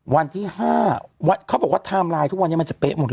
วันที่๕เขาบอกว่าไทม์ไลน์ทุกวันนี้มันจะเป๊ะหมดเลย